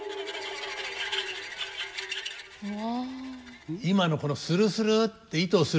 うわ。